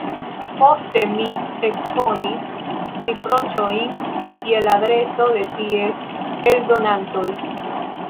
Poste mi ekkonis riproĉojn je la adreso de ties eldonantoj.